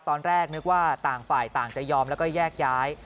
ตอนแรกนึกว่าต่างฝ่ายต่างจะยอมแล้วก็แยกย้าย